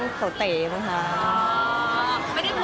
ก็คือพี่ที่อยู่เชียงใหม่พี่อธค่ะ